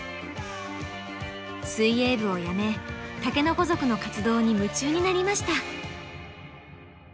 水泳部をやめ竹の子族の活動に夢中になりました。